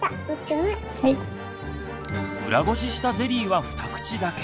裏ごししたゼリーはふた口だけ。